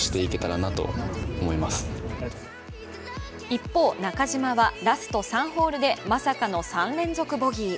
一方、中島はラスト３ホールでまさかの３連続ボギー。